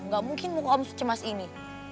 enggak mungkin muka om secemas ini